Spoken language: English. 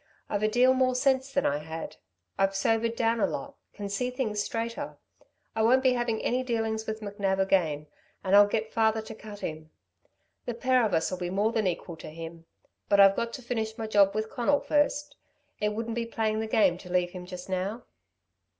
I've a deal more sense than I had. I've sobered down a lot ... can see things straighter. I won't be having any dealings with McNab again and I'll get father to cut him. The pair of us'll be more than equal to him. But I've got to finish my job with Conal first ... it wouldn't be playing the game to leave him just now."